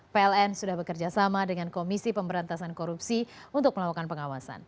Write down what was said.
pln sudah bekerja sama dengan komisi pemberantasan korupsi untuk melakukan pengawasan